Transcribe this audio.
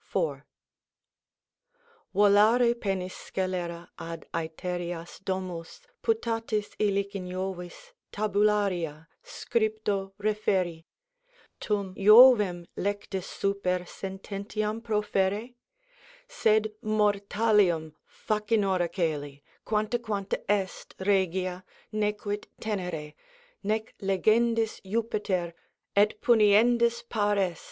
("Volare pennis scelera ad ætherias domus Putatis, illic in Jovis tabularia Scripto referri; tum Jovem lectis super Sententiam proferre?—sed mortalium Facinora cœli, quantaquanta est, regia Nequit tenere: nec legendis Juppiter Et puniendis par est.